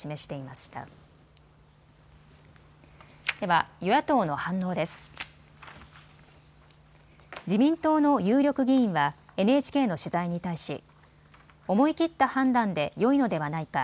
自民党の有力議員はＮＨＫの取材に対し、思い切った判断でよいのではないか。